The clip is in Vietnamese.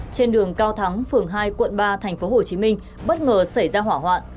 trên đường cao thắng phường hai quận ba tp hcm bất ngờ xảy ra hỏa hoạn